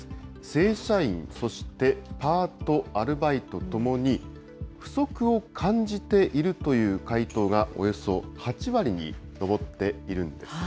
正社員、そしてパート・アルバイトともに、不足を感じているという回答がおよそ８割に上っているんですね。